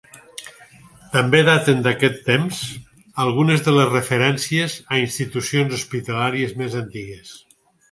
També daten d'aquest temps algunes de les referències a institucions hospitalàries més antigues.